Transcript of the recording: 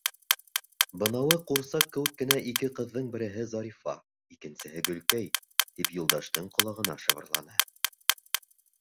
— Бынауы ҡурсаҡ кеүек кенә ике ҡыҙҙың береһе Зарифа, икенсеһе Гөлкәй, -тип Юлдаштың ҡолағына шыбырланы.